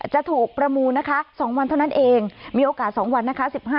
จะถูกประมูลนะคะ๒วันเท่านั้นเองมีโอกาส๒วันนะคะ